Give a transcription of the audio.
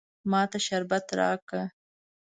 ما ته شربت راکه.